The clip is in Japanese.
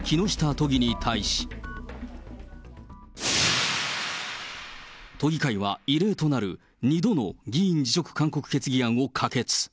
都議会は異例となる２度の議員辞職勧告決議案を可決。